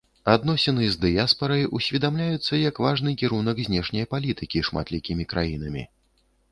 Адносіны з дыяспарай усведамляюцца як важны кірунак знешняй палітыкі шматлікімі краінамі.